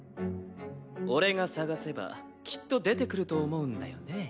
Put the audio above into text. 俺が探せばきっと出てくると思うんだよね。